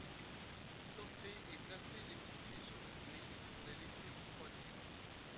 Sortez et placez les biscuits sur une grille pour les laisser refroidir.